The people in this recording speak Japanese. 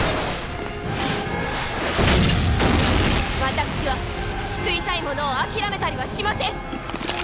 私は救いたいものを諦めたりはしません！